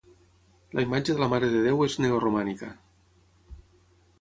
La imatge de la Mare de Déu és neoromànica.